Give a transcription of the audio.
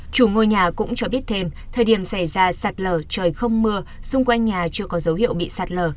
chủ ngôi nhà cũng cho biết thêm thời điểm xảy ra sạt lở trời không mưa xung quanh nhà chưa có dấu hiệu bị sạt lở